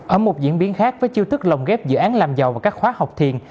ở một diễn biến khác với chiêu thức lồng ghép dự án làm giàu và các khóa học thiền